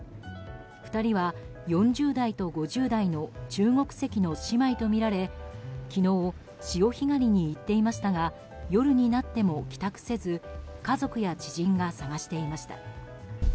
２人は４０代と５０代の中国籍の姉妹とみられ昨日、潮干狩りに行っていましたが夜になっても帰宅せず家族や知人が捜していました。